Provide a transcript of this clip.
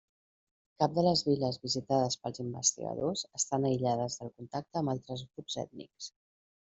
Cap de les viles visitades pels investigadors estan aïllades del contacte amb altres grups ètnics.